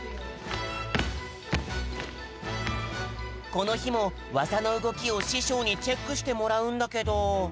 このひもわざのうごきをししょうにチェックしてもらうんだけど。